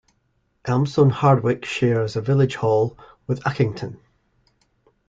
Elmstone Hardwicke shares a village hall with Uckington.